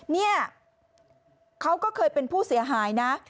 เนี่ยเขาก็เคยเป็นผู้เสียหายนะ